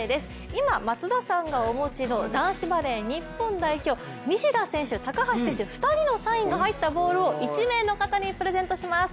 今、松田さんがお持ちの男子バレー日本代表西田選手、高橋選手、２人のサインが入ったボールを１名の方にプレゼントします。